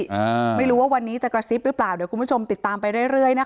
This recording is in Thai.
อ่าไม่รู้ว่าวันนี้จะกระซิบหรือเปล่าเดี๋ยวคุณผู้ชมติดตามไปเรื่อยเรื่อยนะคะ